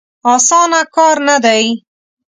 اسانه کار نه دی.